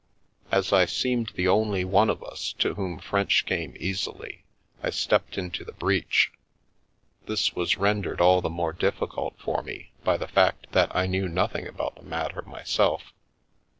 As I seemed the only one of us to whom French came easily, I stepped into the breach. This was rendered all the more difficult for me by the fact that I knew nothing about the matter myself.